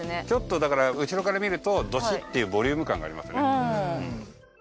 ちょっとだから後ろから見るとドスっていうボリューム感がありますよね。